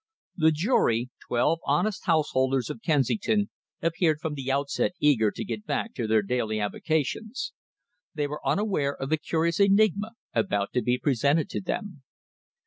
The jury twelve honest householders of Kensington appeared from the outset eager to get back to their daily avocations. They were unaware of the curious enigma about to be presented to them.